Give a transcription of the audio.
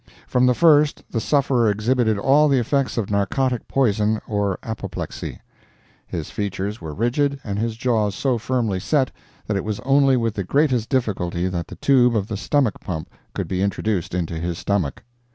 From the first the sufferer exhibited all the effects of narcotic poison or apoplexy. His features were rigid, and his jaws so firmly set that it was only with the greatest difficulty that the tube of the stomach pump could be introduced into his stomach.